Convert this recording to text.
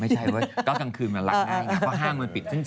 ไม่ใช่เว้ยก็กลางคืนมันรักง่ายเพราะว่าห้างมันปิดถึง๔ทุ่ม